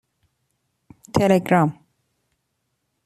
تلگرام